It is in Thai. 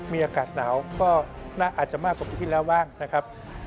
มีอากาศหนาวก็น่าจะมากกว่าปีที่แล้วบ้างนะครับ